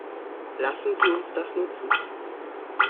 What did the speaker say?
Lassen Sie uns das nutzen!